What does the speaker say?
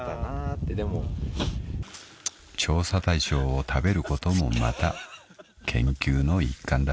［調査対象を食べることもまた研究の一環だ］